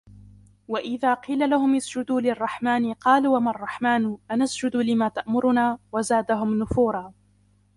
وَإِذَا قِيلَ لَهُمُ اسْجُدُوا لِلرَّحْمَنِ قَالُوا وَمَا الرَّحْمَنُ أَنَسْجُدُ لِمَا تَأْمُرُنَا وَزَادَهُمْ نُفُورًا